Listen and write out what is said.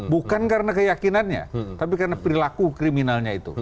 bukan karena keyakinannya tapi karena perilaku kriminalnya itu